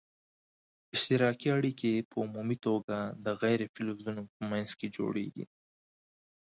اشتراکي اړیکي په عمومي توګه د غیر فلزونو په منځ کې جوړیږي.